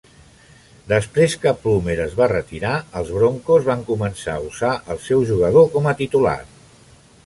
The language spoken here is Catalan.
Després que Plummer es va retirar, els Broncos van començar a usar el seu jugador com a titular.